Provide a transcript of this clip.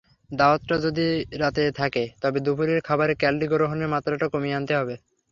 দাওয়াতটা যদি রাতে থাকে তবে দুপুরের খাবারে ক্যালরি গ্রহণের মাত্রাটা কমিয়ে আনতে হবে।